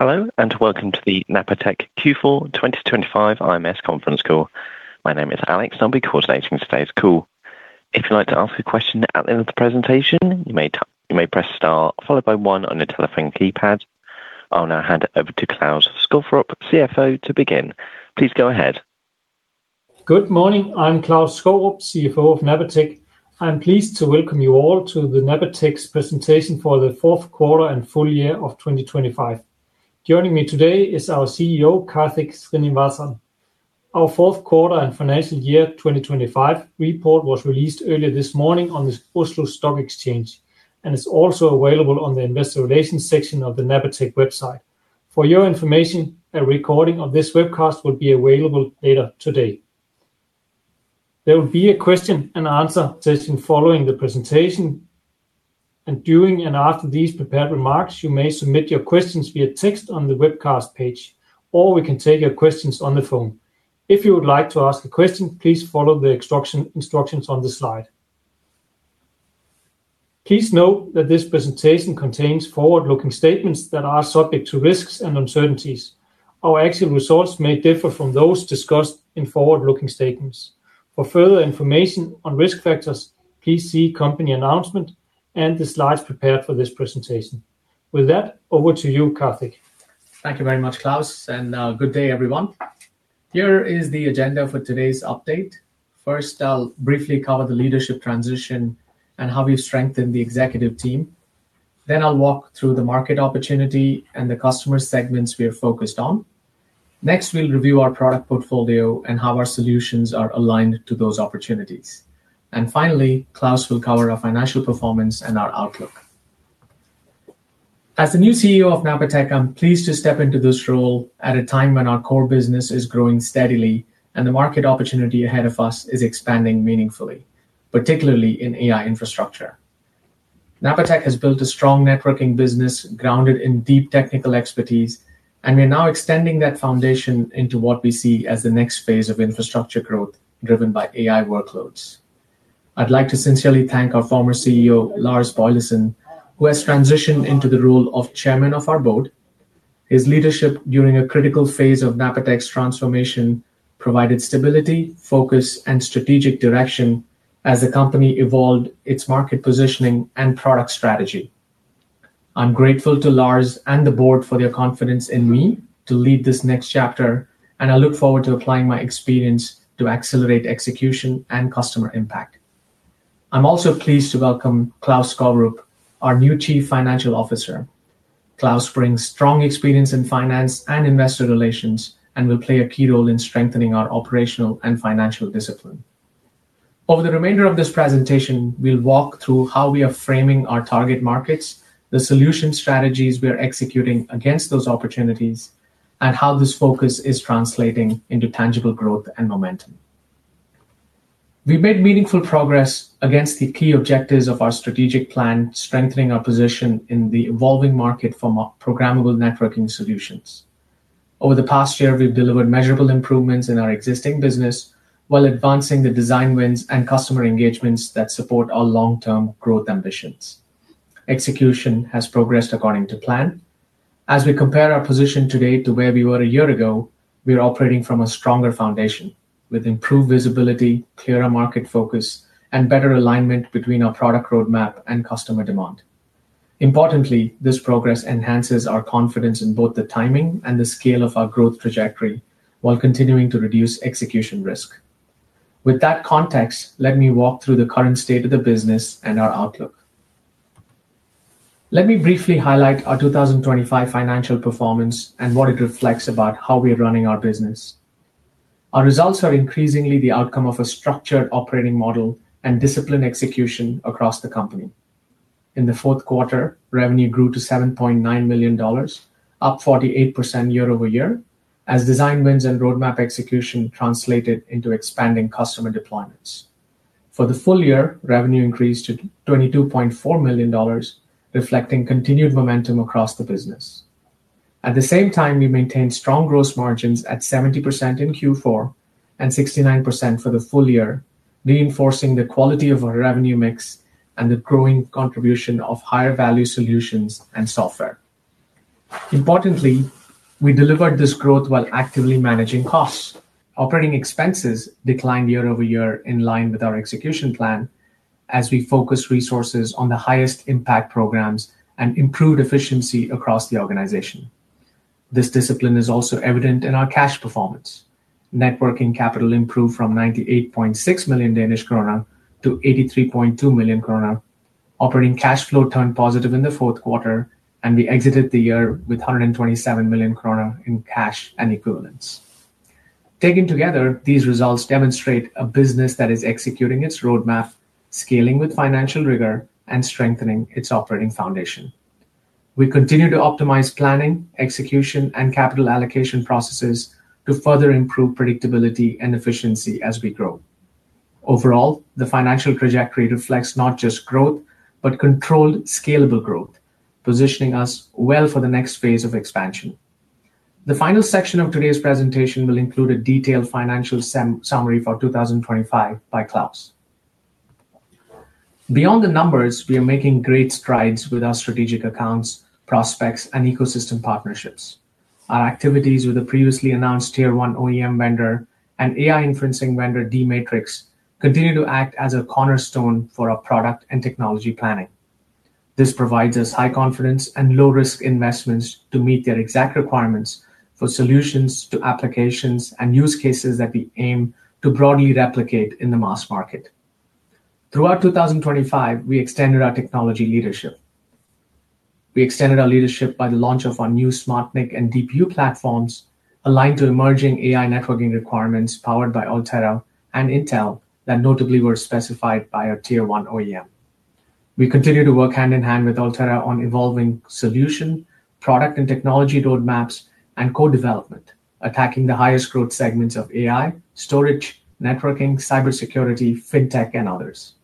Hello, and welcome to the Napatech Q4 2025 IMS Conference Call. My name is Alex, and I'll be coordinating today's call. If you'd like to ask a question at the end of the presentation, you may press star followed by one on your telephone keypad. I'll now hand it over to Klaus Skovrup, CFO, to begin. Please go ahead. Good morning. I'm Klaus Skovrup, CFO of Napatech. I'm pleased to welcome you all to the Napatech's presentation for the fourth quarter and full year of 2025. Joining me today is our CEO, Kartik Srinivasan. Our fourth quarter and financial year 2025 report was released earlier this morning on the Oslo Stock Exchange. It's also available on the Investor Relations section of the Napatech website. For your information, a recording of this webcast will be available later today. There will be a question and answer session following the presentation. During and after these prepared remarks, you may submit your questions via text on the webcast page, we can take your questions on the phone. If you would like to ask a question, please follow the instructions on the slide. Please note that this presentation contains forward-looking statements that are subject to risks and uncertainties. Our actual results may differ from those discussed in forward-looking statements. For further information on risk factors, please see company announcement and the slides prepared for this presentation. With that, over to you, Kartik. Thank you very much, Klaus, and good day, everyone. Here is the agenda for today's update. First, I'll briefly cover the leadership transition and how we've strengthened the executive team. I'll walk through the market opportunity and the customer segments we are focused on. We'll review our product portfolio and how our solutions are aligned to those opportunities. Finally, Klaus will cover our financial performance and our outlook. As the new CEO of Napatech, I'm pleased to step into this role at a time when our core business is growing steadily and the market opportunity ahead of us is expanding meaningfully, particularly in AI infrastructure. Napatech has built a strong networking business grounded in deep technical expertise, and we're now extending that foundation into what we see as the next phase of infrastructure growth driven by AI workloads. I'd like to sincerely thank our former CEO, Lars Boilesen, who has transitioned into the role of chairman of our board. His leadership during a critical phase of Napatech's transformation provided stability, focus, and strategic direction as the company evolved its market positioning and product strategy. I'm grateful to Lars and the board for their confidence in me to lead this next chapter, and I look forward to applying my experience to accelerate execution and customer impact. I'm also pleased to welcome Klaus Skovrup, our new Chief Financial Officer. Klaus brings strong experience in finance and investor relations and will play a key role in strengthening our operational and financial discipline. Over the remainder of this presentation, we'll walk through how we are framing our target markets, the solution strategies we are executing against those opportunities, and how this focus is translating into tangible growth and momentum. We've made meaningful progress against the key objectives of our strategic plan, strengthening our position in the evolving market for programmable networking solutions. Over the past year, we've delivered measurable improvements in our existing business while advancing the design wins and customer engagements that support our long-term growth ambitions. Execution has progressed according to plan. As we compare our position today to where we were a year ago, we are operating from a stronger foundation with improved visibility, clearer market focus, and better alignment between our product roadmap and customer demand. Importantly, this progress enhances our confidence in both the timing and the scale of our growth trajectory while continuing to reduce execution risk. With that context, let me walk through the current state of the business and our outlook. Let me briefly highlight our 2025 financial performance and what it reflects about how we are running our business. Our results are increasingly the outcome of a structured operating model and disciplined execution across the company. In the fourth quarter, revenue grew to $7.9 million, up 48% year-over-year, as design wins and roadmap execution translated into expanding customer deployments. For the full year, revenue increased to $22.4 million, reflecting continued momentum across the business. At the same time, we maintained strong gross margins at 70% in Q4 and 69% for the full year, reinforcing the quality of our revenue mix and the growing contribution of higher value solutions and software. Importantly, we delivered this growth while actively managing costs. Operating expenses declined year-over-year in line with our execution plan as we focus resources on the highest impact programs and improved efficiency across the organization. This discipline is also evident in our cash performance. Networking capital improved from 98.6 million-83.2 million Danish krone. Operating cash flow turned positive in the fourth quarter. We exited the year with 127 million krone in cash and equivalents. Taken together, these results demonstrate a business that is executing its roadmap, scaling with financial rigor, and strengthening its operating foundation. We continue to optimize planning, execution, and capital allocation processes to further improve predictability and efficiency as we grow. Overall, the financial trajectory reflects not just growth, but controlled, scalable growth, positioning us well for the next phase of expansion. The final section of today's presentation will include a detailed financial summary for 2025 by Klaus. Beyond the numbers, we are making great strides with our strategic accounts, prospects, and ecosystem partnerships. Our activities with the previously announced TierOne OEM vendor and AI inferencing vendor, d-Matrix, continue to act as a cornerstone for our product and technology planning. This provides us high confidence and low-risk investments to meet their exact requirements for solutions to applications and use cases that we aim to broadly replicate in the mass market. Throughout 2025, we extended our technology leadership. We extended our leadership by the launch of our new SmartNIC and DPU platforms, aligned to emerging AI networking requirements powered by Altera and Intel, that notably were specified by our TierOne OEM. We continue to work hand-in-hand with Altera on evolving solution, product and technology roadmaps, and co-development, attacking the highest growth segments of AI, storage, networking, cybersecurity, fintech, and others.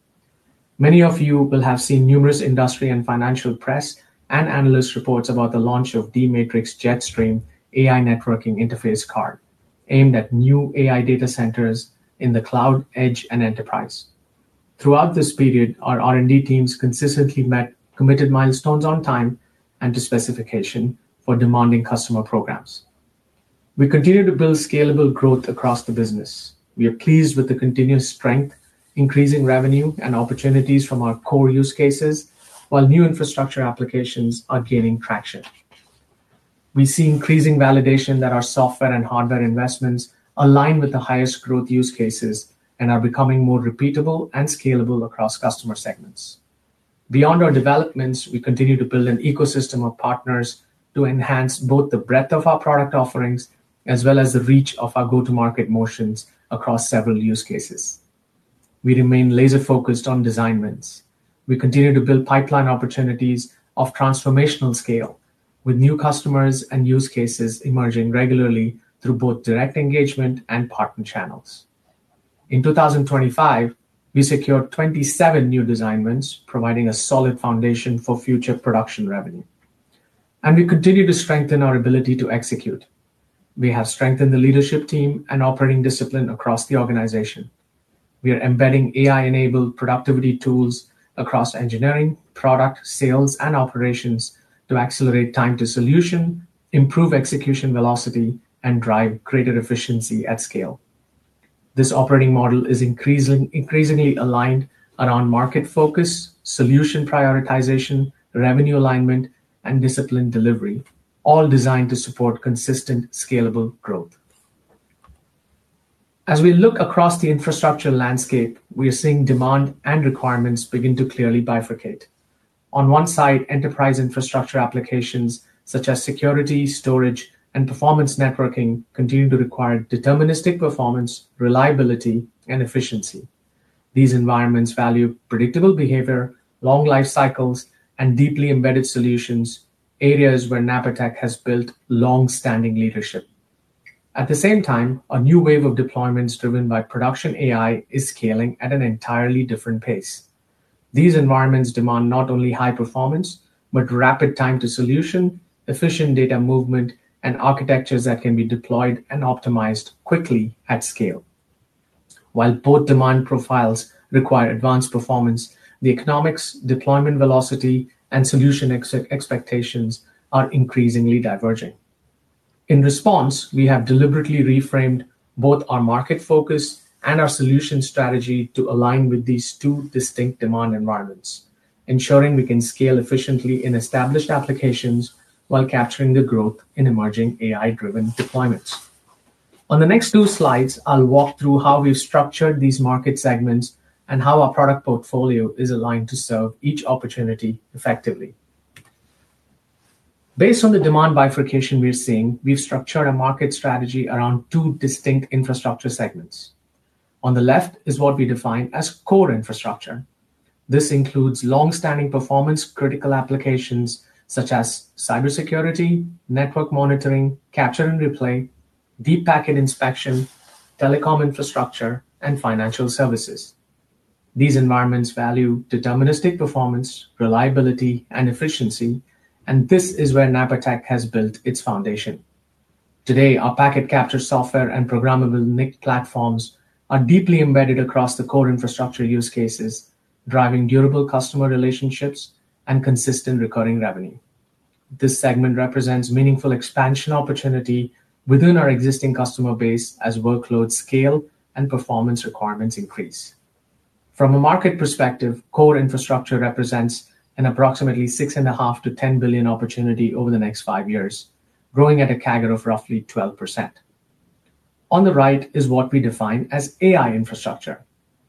Many of you will have seen numerous industry and financial press and analyst reports about the launch of d-Matrix JetStream AI networking interface card, aimed at new AI data centers in the cloud, edge, and enterprise. Throughout this period, our R&D teams consistently met committed milestones on time and to specification for demanding customer programs. We continue to build scalable growth across the business. We are pleased with the continuous strength, increasing revenue, and opportunities from our core use cases, while new infrastructure applications are gaining traction. We see increasing validation that our software and hardware investments align with the highest growth use cases and are becoming more repeatable and scalable across customer segments. Beyond our developments, we continue to build an ecosystem of partners to enhance both the breadth of our product offerings as well as the reach of our go-to-market motions across several use cases. We remain laser-focused on design wins. We continue to build pipeline opportunities of transformational scale, with new customers and use cases emerging regularly through both direct engagement and partner channels. In 2025, we secured 27 new design wins, providing a solid foundation for future production revenue. We continue to strengthen our ability to execute. We have strengthened the leadership team and operating discipline across the organization. We are embedding AI-enabled productivity tools across engineering, product, sales, and operations to accelerate time to solution, improve execution velocity, and drive greater efficiency at scale. This operating model is increasingly aligned around market focus, solution prioritization, revenue alignment, and disciplined delivery, all designed to support consistent, scalable growth. As we look across the infrastructure landscape, we are seeing demand and requirements begin to clearly bifurcate. On one side, enterprise infrastructure applications such as security, storage, and performance networking continue to require deterministic performance, reliability, and efficiency. These environments value predictable behavior, long life cycles, and deeply embedded solutions, areas where Napatech has built long-standing leadership. At the same time, a new wave of deployments driven by production AI is scaling at an entirely different pace. These environments demand not only high performance, but rapid time to solution, efficient data movement, and architectures that can be deployed and optimized quickly at scale. While both demand profiles require advanced performance, the economics, deployment velocity, and solution expectations are increasingly diverging. In response, we have deliberately reframed both our market focus and our solution strategy to align with these two distinct demand environments, ensuring we can scale efficiently in established applications while capturing the growth in emerging AI-driven deployments. On the next two slides, I'll walk through how we've structured these market segments and how our product portfolio is aligned to serve each opportunity effectively. Based on the demand bifurcation we are seeing, we've structured a market strategy around two distinct infrastructure segments. On the left is what we define as core infrastructure. This includes long-standing performance, critical applications such as cybersecurity, network monitoring, capture and replay, deep packet inspection, telecom infrastructure, and financial services. These environments value deterministic performance, reliability, and efficiency, and this is where Napatech has built its foundation. Today, our packet capture software and programmable NIC platforms are deeply embedded across the core infrastructure use cases, driving durable customer relationships and consistent recurring revenue. This segment represents meaningful expansion opportunity within our existing customer base as workloads scale and performance requirements increase. From a market perspective, core infrastructure represents an approximately $6.5 billion-$10 billion opportunity over the next five years, growing at a CAGR of roughly 12%. On the right is what we define as AI infrastructure,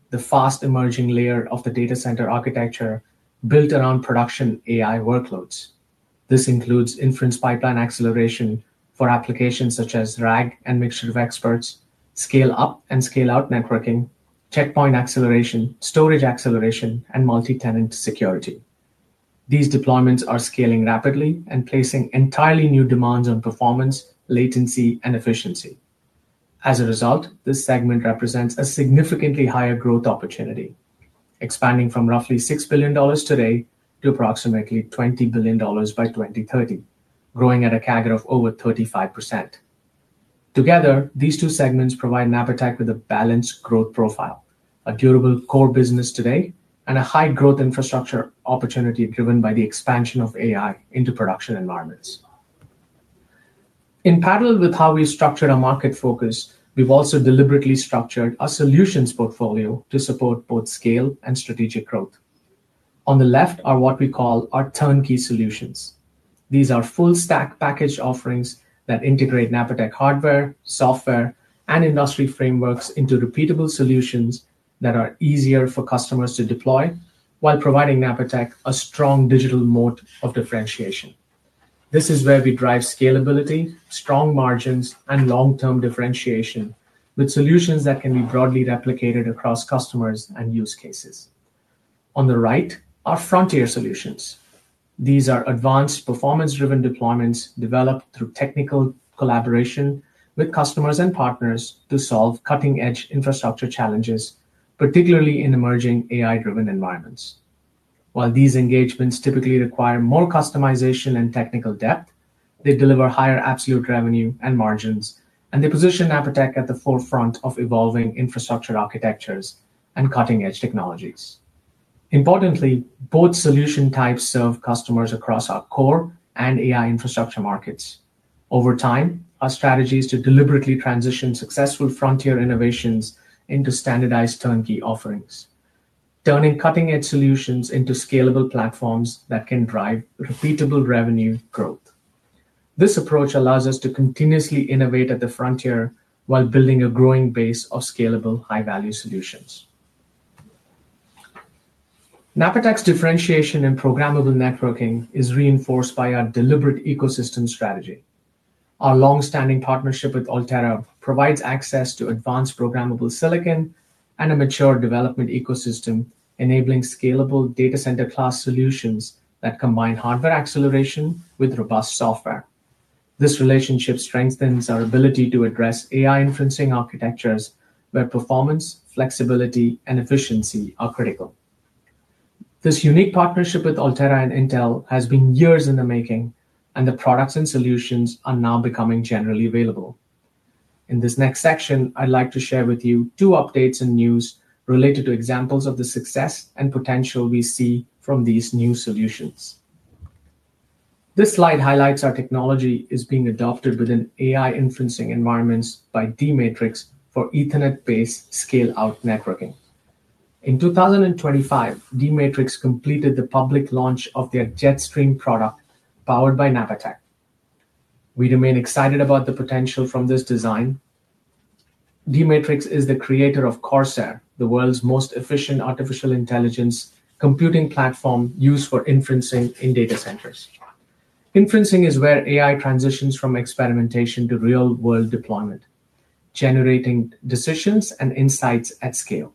the fast-emerging layer of the data center architecture built around production AI workloads. This includes inference pipeline acceleration for applications such as RAG and Mixture of Experts, scale up and scale-out networking, checkpoint acceleration, storage acceleration, and multi-tenant security. These deployments are scaling rapidly and placing entirely new demands on performance, latency, and efficiency. This segment represents a significantly higher growth opportunity, expanding from roughly $6 billion today to approximately $20 billion by 2030, growing at a CAGR of over 35%. Together, these two segments provide Napatech with a balanced growth profile, a durable core business today, and a high-growth infrastructure opportunity driven by the expansion of AI into production environments. In parallel with how we structured our market focus, we've also deliberately structured our solutions portfolio to support both scale and strategic growth. On the left are what we call our turnkey solutions. These are full-stack package offerings that integrate Napatech hardware, software, and industry frameworks into repeatable solutions that are easier for customers to deploy while providing Napatech a strong digital moat of differentiation. This is where we drive scalability, strong margins, and long-term differentiation with solutions that can be broadly replicated across customers and use cases. On the right are Frontier Solutions. These are advanced, performance-driven deployments developed through technical collaboration with customers and partners to solve cutting-edge infrastructure challenges, particularly in emerging AI-driven environments. While these engagements typically require more customization and technical depth, they deliver higher absolute revenue and margins, and they position Napatech at the forefront of evolving infrastructure architectures and cutting-edge technologies. Importantly, both solution types serve customers across our core and AI infrastructure markets. Over time, our strategy is to deliberately transition successful Frontier innovations into standardized turnkey offerings, turning cutting-edge solutions into scalable platforms that can drive repeatable revenue growth. This approach allows us to continuously innovate at the frontier while building a growing base of scalable, high-value solutions. Napatech's differentiation in programmable networking is reinforced by our deliberate ecosystem strategy. Our long-standing partnership with Altera provides access to advanced programmable silicon and a mature development ecosystem, enabling scalable data center class solutions that combine hardware acceleration with robust software. This relationship strengthens our ability to address AI inferencing architectures, where performance, flexibility, and efficiency are critical. The products and solutions are now becoming generally available. In this next section, I'd like to share with you two updates and news related to examples of the success and potential we see from these new solutions. This slide highlights our technology is being adopted within AI inferencing environments by d-Matrix for Ethernet-based scale-out networking. In 2025, d-Matrix completed the public launch of their JetStream product, powered by Napatech. We remain excited about the potential from this design. d-Matrix is the creator of Corsair, the world's most efficient artificial intelligence computing platform used for inferencing in data centers. Inferencing is where AI transitions from experimentation to real-world deployment, generating decisions and insights at scale.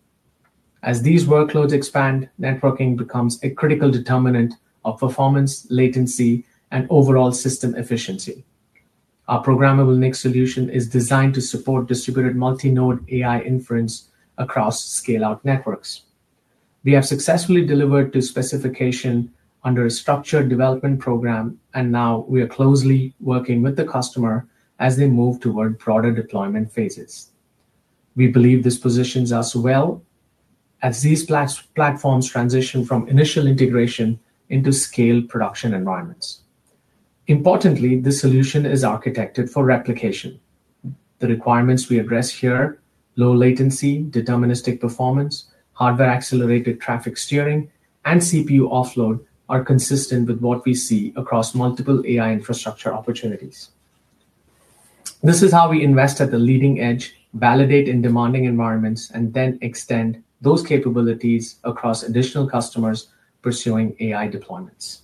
As these workloads expand, networking becomes a critical determinant of performance, latency, and overall system efficiency. Our programmable NIC solution is designed to support distributed multi-node AI inference across scale-out networks. Now we are closely working with the customer as they move toward broader deployment phases. We believe this positions us well as these platforms transition from initial integration into scaled production environments. Importantly, this solution is architected for replication. The requirements we address here, low latency, deterministic performance, hardware-accelerated traffic steering, and CPU offload, are consistent with what we see across multiple AI infrastructure opportunities. This is how we invest at the leading edge, validate in demanding environments, and then extend those capabilities across additional customers pursuing AI deployments.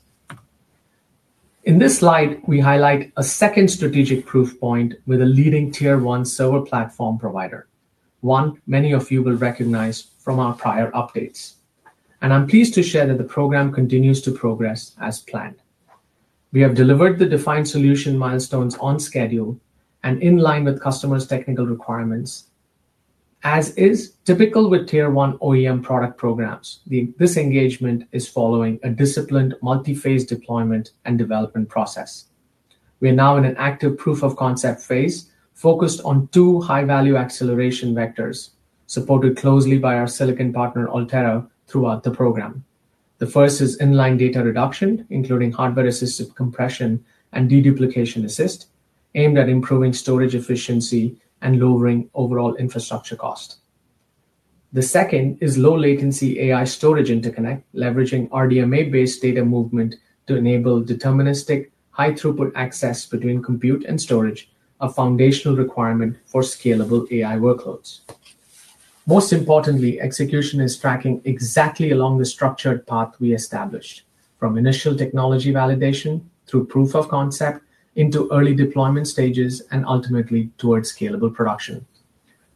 In this slide, we highlight a second strategic proof point with a leading TierOne server platform provider, one many of you will recognize from our prior updates, and I'm pleased to share that the program continues to progress as planned. We have delivered the defined solution milestones on schedule and in line with customers technical requirements. As is typical with TierOne OEM product programs, this engagement is following a disciplined, multi-phase deployment and development process. We are now in an active proof of concept phase, focused on two high-value acceleration vectors, supported closely by our silicon partner, Altera, throughout the program. The first is inline data reduction, including hardware-assisted compression and deduplication assist, aimed at improving storage efficiency and lowering overall infrastructure cost. The second is low-latency AI storage interconnect, leveraging RDMA-based data movement to enable deterministic, high-throughput access between compute and storage, a foundational requirement for scalable AI workloads. Most importantly, execution is tracking exactly along the structured path we established, from initial technology validation through proof of concept into early deployment stages, and ultimately towards scalable production.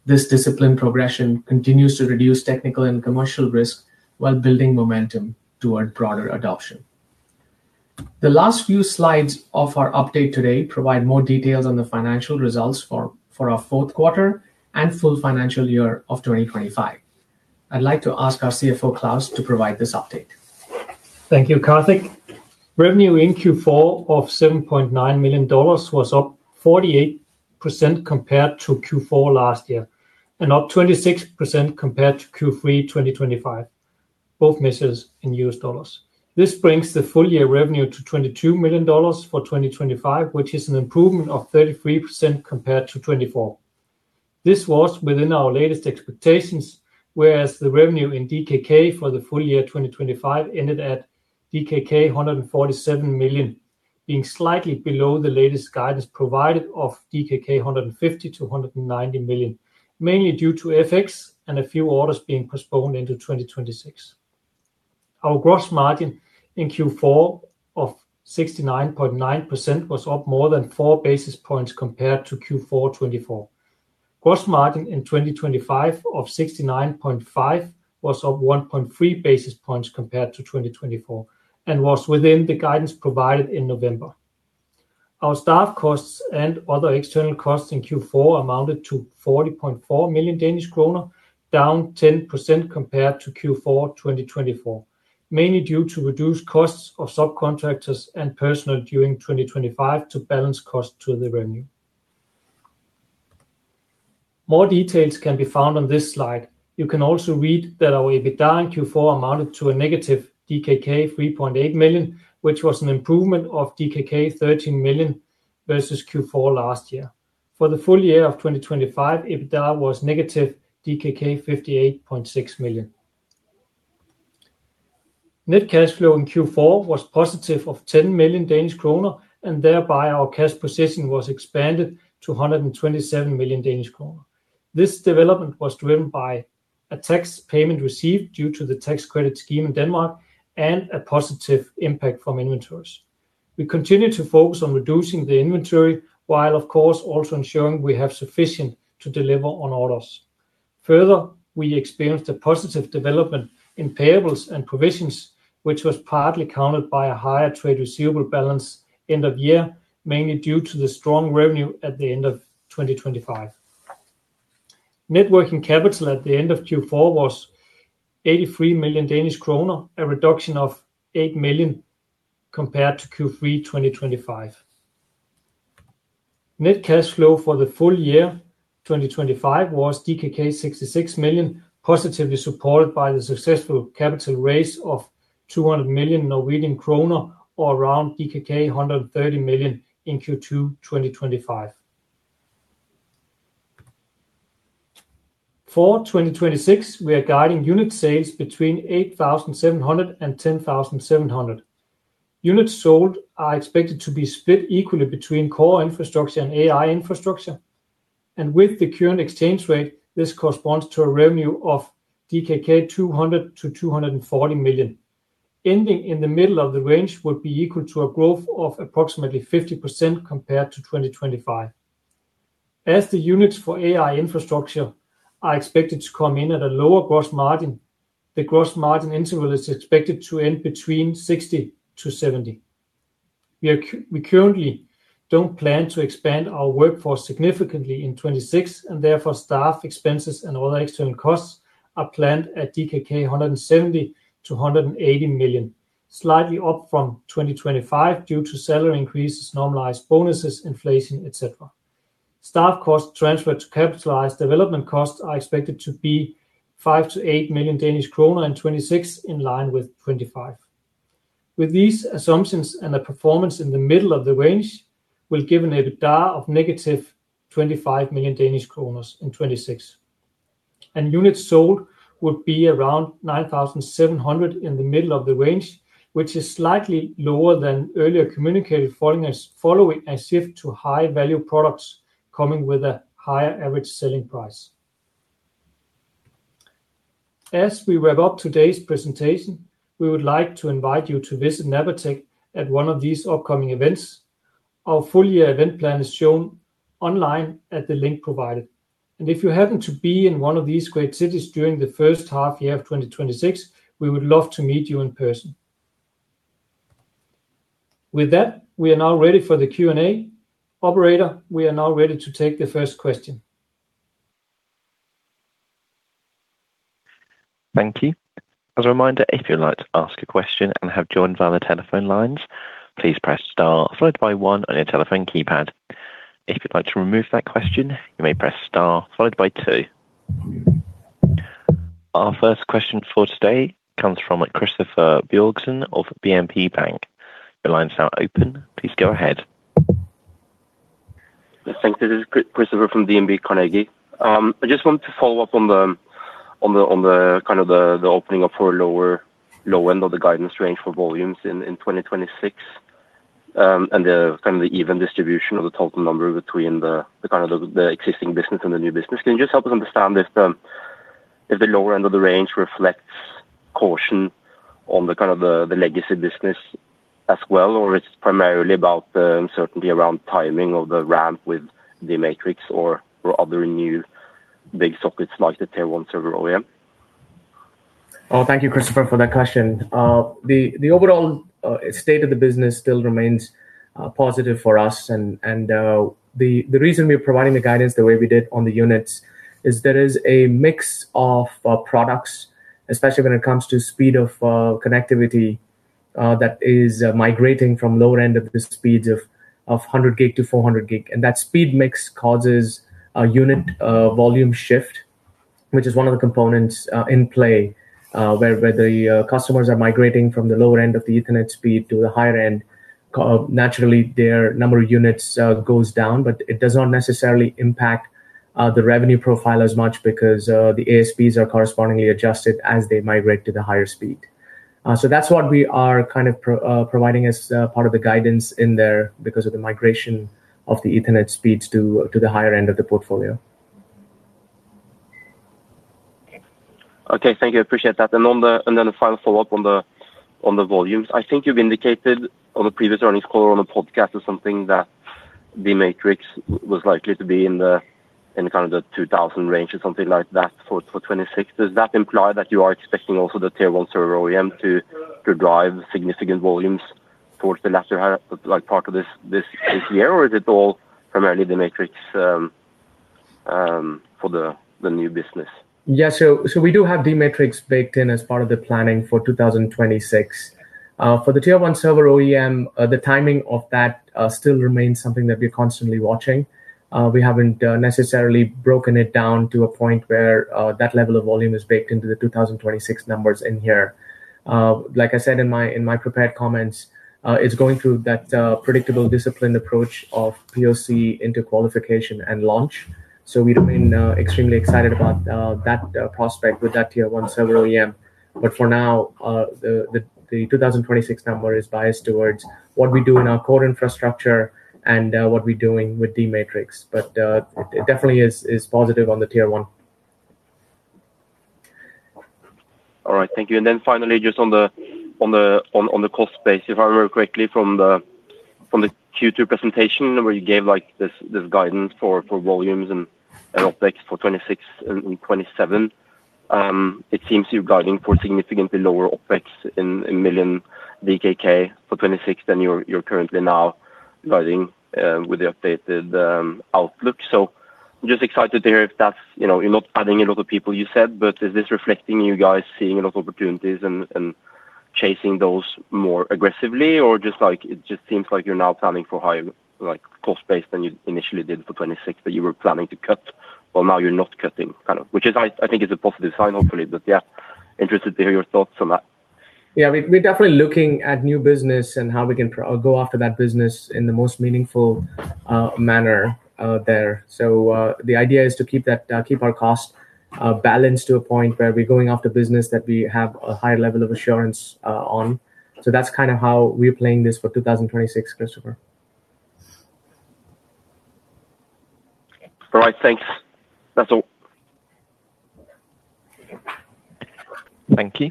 This disciplined progression continues to reduce technical and commercial risk while building momentum toward broader adoption. The last few slides of our update today provide more details on the financial results for our fourth quarter and full financial year of 2025. I'd like to ask our CFO, Klaus, to provide this update. Thank you, Kartik. Revenue in Q4 of $7.9 million was up 48% compared to Q4 2024, and up 26% compared to Q3 2025, both measures in US dollars. This brings the full year revenue to $22 million for 2025, which is an improvement of 33% compared to 2024. This was within our latest expectations, whereas the revenue in DKK for the full year 2025 ended at DKK 147 million, being slightly below the latest guidance provided of 150 million-190 million DKK, mainly due to FX and a few orders being postponed into 2026. Our gross margin in Q4 of 69.9% was up more than 4 basis points compared to Q4 2024. Gross margin in 2025 of 69.5% was up 1.3 basis points compared to 2024 and was within the guidance provided in November. Our staff costs and other external costs in Q4 amounted to 40.4 million Danish kroner, down 10% compared to Q4 2024, mainly due to reduced costs of subcontractors and personnel during 2025 to balance cost to the revenue. More details can be found on this slide. You can also read that our EBITDA in Q4 amounted to a DKK -3.8 million, which was an improvement of DKK 13 million versus Q4 last year. For the full year of 2025, EBITDA was DKK -58.6 million. Net cash flow in Q4 was positive of 10 million Danish kroner, and thereby our cash position was expanded to 127 million Danish kroner. This development was driven by a tax payment received due to the tax credit scheme in Denmark and a positive impact from inventories. We continue to focus on reducing the inventory, while of course, also ensuring we have sufficient to deliver on orders. Further, we experienced a positive development in payables and provisions, which was partly countered by a higher trade receivable balance end of year, mainly due to the strong revenue at the end of 2025. Net working capital at the end of Q4 was 83 million Danish kroner, a reduction of 8 million compared to Q3, 2025. Net cash flow for the full year, 2025, was DKK 66 million, positively supported by the successful capital raise of 200 million Norwegian kroner, or around DKK 130 million in Q2, 2025. For 2026, we are guiding unit sales between 8,700 and 10,700. Units sold are expected to be split equally between core infrastructure and AI infrastructure. With the current exchange rate, this corresponds to a revenue of 200 million-240 million DKK. Ending in the middle of the range would be equal to a growth of approximately 50% compared to 2025. As the units for AI infrastructure are expected to come in at a lower gross margin, the gross margin interval is expected to end between 60%-70%. We currently don't plan to expand our workforce significantly in 2026. Therefore staff expenses and other external costs are planned at 170 million-180 million DKK, slightly up from 2025 due to salary increases, normalized bonuses, inflation, et cetera. Staff cost transferred to capitalized development costs are expected to be 5 million-8 million Danish kroner in 2026, in line with 2025. With these assumptions and a performance in the middle of the range, we're given an EBITDA of -25 million Danish kroner in 2026. Units sold would be around 9,700 in the middle of the range, which is slightly lower than earlier communicated, following a shift to high-value products coming with a higher average selling price. As we wrap up today's presentation, we would like to invite you to visit Napatech at one of these upcoming events. Our full year event plan is shown online at the link provided. If you happen to be in one of these great cities during the first half year of 2026, we would love to meet you in person. With that, we are now ready for the Q&A. Operator, we are now ready to take the first question. Thank you. As a reminder, if you'd like to ask a question and have joined via the telephone lines, please press star followed by one on your telephone keypad. If you'd like to remove that question, you may press star followed by two. Our first question for today comes from Christoffer Bjørnsen of DNB Bank. Your line is now open. Please go ahead. Yes, thank you. This is Christopher from DNB Carnegie. I just wanted to follow up on the kind of the opening up for a lower, low end of the guidance range for volumes in 2026, and the kind of the even distribution of the total number between the kind of the existing business and the new business. Can you just help us understand if the lower end of the range reflects caution on the kind of the legacy business as well, or it's primarily about the uncertainty around timing of the ramp with d-Matrix or other new big sockets like the TierOne server OEM? Oh, thank you, Christopher, for that question. The overall state of the business still remains positive for us, and the reason we're providing the guidance the way we did on the units is there is a mix of products, especially when it comes to speed of connectivity. That is migrating from lower end of the speeds of 100 gig-400 gig, and that speed mix causes a unit volume shift, which is one of the components in play, where the customers are migrating from the lower end of the Ethernet speed to the higher end. Naturally, their number of units goes down, but it does not necessarily impact the revenue profile as much because the ASPs are correspondingly adjusted as they migrate to the higher speed. That's what we are kind of providing as part of the guidance in there because of the migration of the Ethernet speeds to the higher end of the portfolio. Okay, thank you. I appreciate that. Then the final follow-up on the volumes. I think you've indicated on the previous earnings call or on a podcast or something, that d-Matrix was likely to be in kind of the 2,000 range or something like that for 2026. Does that imply that you are expecting also the TierOne server OEM to drive significant volumes towards the latter half, like, part of this year? Is it all primarily d-Matrix for the new business? We do have d-Matrix baked in as part of the planning for 2026. For the TierOne server OEM, the timing of that still remains something that we're constantly watching. We haven't necessarily broken it down to a point where that level of volume is baked into the 2026 numbers in here. Like I said in my prepared comments, it's going through that predictable, disciplined approach of POC into qualification and launch. We remain extremely excited about that prospect with that TierOne server OEM. For now, the 2026 number is biased towards what we do in our core infrastructure and what we're doing with d-Matrix. It definitely is positive on the TierOne. All right, thank you. Finally, just on the cost base, if I remember correctly from the Q2 presentation, where you gave, like, this guidance for volumes and OpEx for 2026 and 2027. It seems you're guiding for significantly lower OpEx in million DKK for 2026 than you're currently now guiding with the updated outlook. I'm just excited to hear if that's... You know, you're not adding a lot of people, you said, but is this reflecting you guys seeing a lot of opportunities and chasing those more aggressively? Or just like, it just seems like you're now planning for higher, like, cost base than you initially did for 2026, but you were planning to cut, well, now you're not cutting, kind of. Which is, I think is a positive sign, hopefully. Yeah, interested to hear your thoughts on that. Yeah, we're definitely looking at new business and how we can go after that business in the most meaningful manner there. The idea is to keep that, keep our costs balanced to a point where we're going after business that we have a high level of assurance on. That's kind of how we're playing this for 2026, Christopher. All right. Thanks. That's all. Thank you.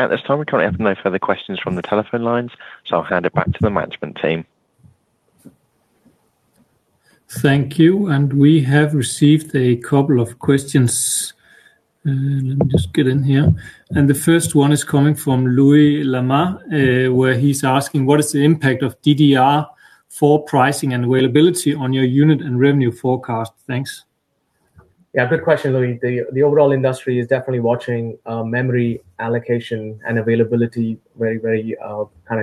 At this time, we currently have no further questions from the telephone lines, so I'll hand it back to the management team. Thank you. We have received a couple of questions. Let me just get in here. The first one is coming from Louis Lamar, where he's asking: What is the impact of DDR4 pricing and availability on your unit and revenue forecast? Thanks. Yeah, good question, Louis. The overall industry is definitely watching memory allocation and availability very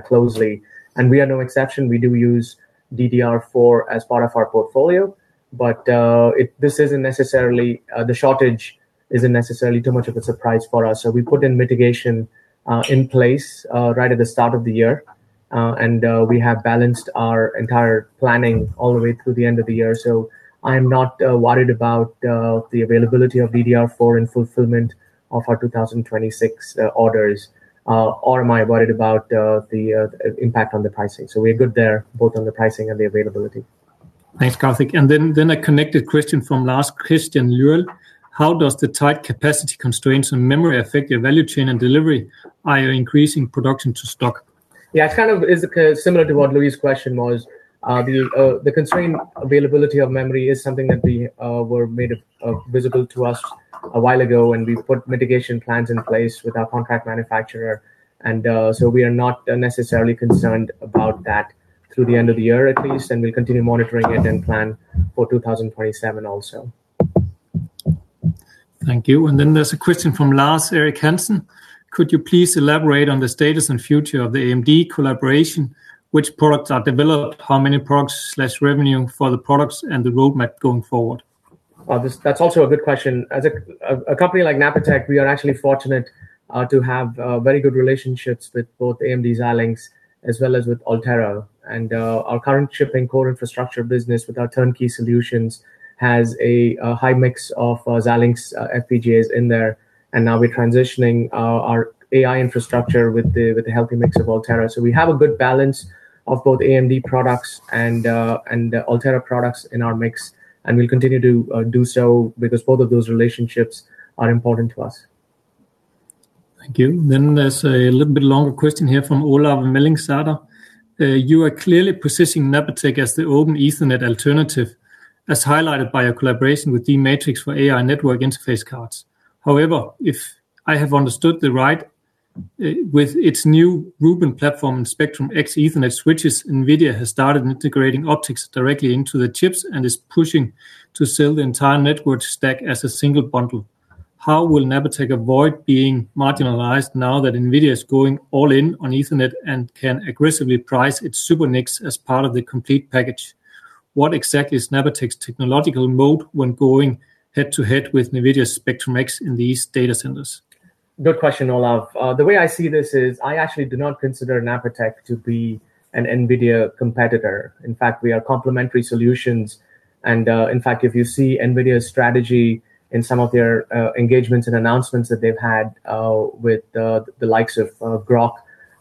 closely. We are no exception. We do use DDR4 as part of our portfolio. The shortage isn't necessarily too much of a surprise for us. We put in mitigation in place right at the start of the year. We have balanced our entire planning all the way through the end of the year. I'm not worried about the availability of DDR4 in fulfillment of our 2026 orders, or am I worried about the impact on the pricing. We're good there, both on the pricing and the availability. Thanks, Kartik. Then a connected question from Lars Christian Luel: How does the tight capacity constraints on memory affect your value chain and delivery by increasing production to stock? Yeah, it's kind of, is similar to what Louis' question was. The constrained availability of memory is something that we were made visible to us a while ago, and we put mitigation plans in place with our contract manufacturer. We are not necessarily concerned about that through the end of the year, at least, and we'll continue monitoring it and plan for 2027 also. Thank you. There's a question from Lars Eric Hansen: Could you please elaborate on the status and future of the AMD collaboration? Which products are developed, how many products/revenue for the products and the roadmap going forward? Well, that's also a good question. As a company like Napatech, we are actually fortunate to have very good relationships with both AMD Xilinx, as well as with Altera. Our current shipping core infrastructure business with our turnkey solutions has a high mix of Xilinx FPGAs in there, and now we're transitioning our AI infrastructure with a healthy mix of Altera. We have a good balance of both AMD products and Altera products in our mix, and we'll continue to do so because both of those relationships are important to us. Thank you. There's a little bit longer question here from Olav Mellingstad: You are clearly positioning Napatech as the open Ethernet alternative, as highlighted by a collaboration with d-Matrix for AI networking interface cards. If I have understood it right, with its new Rubin platform and Spectrum-X Ethernet switches, NVIDIA has started integrating optics directly into the chips and is pushing to sell the entire network stack as a single bundle. How will Napatech avoid being marginalized now that NVIDIA is going all in on Ethernet and can aggressively price its SuperNICs as part of the complete package? What exactly is Napatech's technological mode when going head-to-head with NVIDIA's Spectrum-X in these data centers? Good question, Olav. The way I see this is, I actually do not consider Napatech to be an NVIDIA competitor. In fact, we are complementary solutions. In fact, if you see NVIDIA's strategy in some of their engagements and announcements that they've had with the likes of Groq,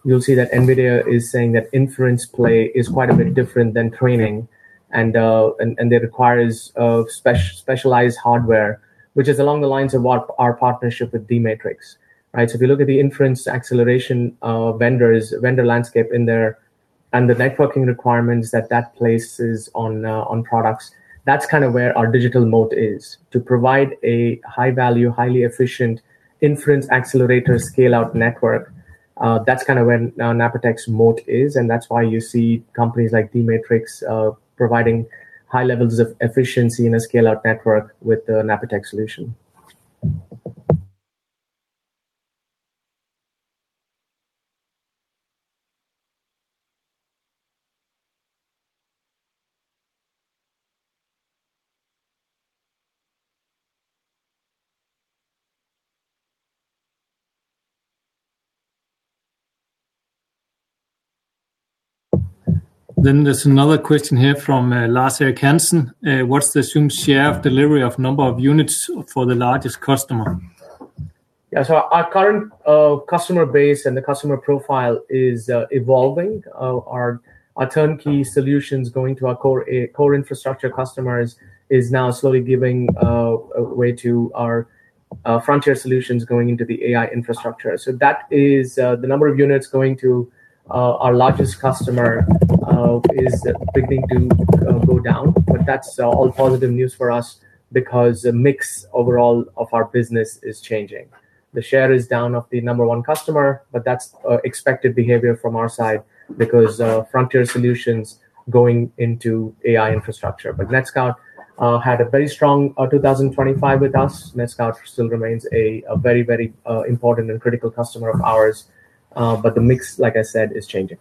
you'll see that NVIDIA is saying that inference play is quite a bit different than training, and it requires specialized hardware, which is along the lines of what our partnership with d-Matrix. Right? If you look at the inference acceleration vendors, vendor landscape in there, and the networking requirements that that places on products, that's kind of where our digital moat is, to provide a high-value, highly efficient inference accelerator scale-out network. That's kind of where Napatech's moat is, and that's why you see companies like d-Matrix providing high levels of efficiency in a scale-out network with a Napatech solution. There's another question here from Lars Eric Hansen: What's the assumed share of delivery of number of units for the largest customer? Our current customer base and the customer profile is evolving. Our turnkey solutions going to our core infrastructure customers is now slowly giving a way to our frontier solutions going into the AI infrastructure. That is the number of units going to our largest customer is beginning to go down, but that's all positive news for us because the mix overall of our business is changing. The share is down of the number one customer, but that's expected behavior from our side because frontier solutions going into AI infrastructure. NETSCOUT had a very strong 2025 with us. NETSCOUT still remains a very, very important and critical customer of ours, but the mix, like I said, is changing.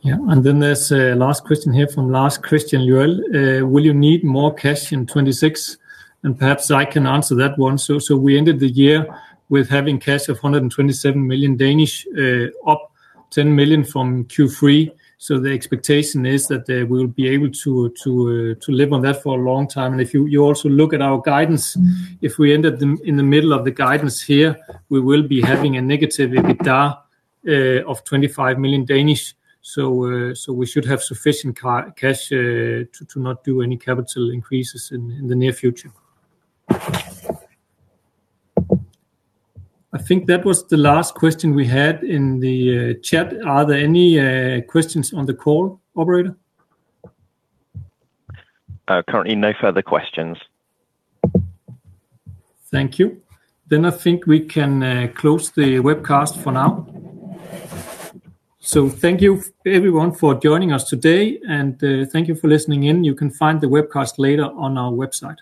Yeah. Then there's a last question here from Lars Christian Luel: Will you need more cash in 2026? Perhaps I can answer that one. We ended the year with having cash of 127 million, up 10 million from Q3, so the expectation is that they will be able to live on that for a long time. If you also look at our guidance, if we end up in the middle of the guidance here, we will be having a negative EBITDA of 25 million. We should have sufficient cash to not do any capital increases in the near future. I think that was the last question we had in the chat. Are there any questions on the call, operator? Currently, no further questions. Thank you. I think we can close the webcast for now. Thank you everyone for joining us today, and thank you for listening in. You can find the webcast later on our website.